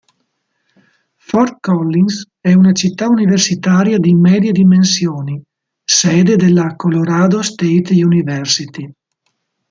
Fort Collins è una città universitaria di medie dimensioni, sede della Colorado State University.